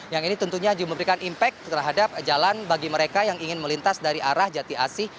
yang ini tentunya juga memberikan impact terhadap jalan bagi mereka yang ingin melintas dari arah jati asih